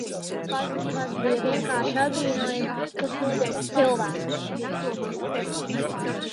Tas bija vienkārši apbrīnojami, kas notiek ar cilvēku.